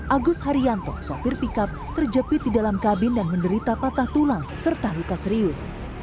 agus haryanto sopir pickup terjepit di dalam kabin dan menderita patah tulang serta luka serius